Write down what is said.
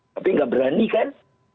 tapi nggak berani kan